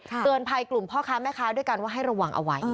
เตือนภัยกลุ่มพ่อค้าแม่ค้าด้วยกันว่าให้ระวังเอาไว้